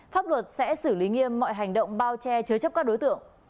pháp luật sẽ xử lý nghiêm mọi hành động bao che chứa chấp các đối tượng